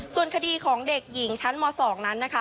ส่วนคดีของเด็กหญิงชั้นม๒นั้นนะคะ